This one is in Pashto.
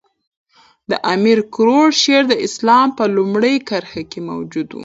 د امیر کروړ شعر د اسلام په لومړیو کښي موجود وو.